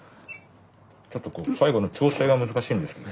ちょっとこう最後の調整が難しいんですよね。